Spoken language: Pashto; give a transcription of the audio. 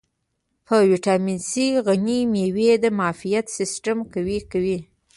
په ویټامین C غني مېوې د معافیت سیستم قوي کوي.